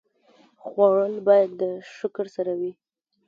خوړل باید د شکر سره وي